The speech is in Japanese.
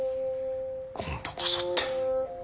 「今度こそ」って。